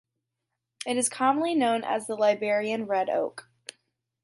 It is commonly known as the Liberian red oak.